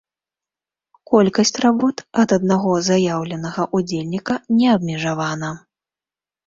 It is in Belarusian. Колькасць работ ад аднаго заяўленага ўдзельніка не абмежавана.